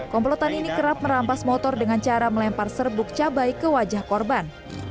komplotan ini kerap merampas motor dengan cara melempar serbuk cabai ke wajah korban